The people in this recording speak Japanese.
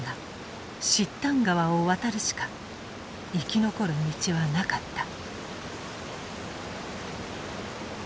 河を渡るしか生き残る道はなかった。